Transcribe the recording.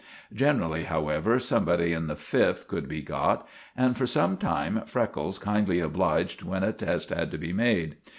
Generally, however, somebody in the fifth could be got, and for some time Freckles kindly obliged when a test had to be made.